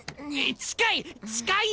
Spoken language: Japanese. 近い！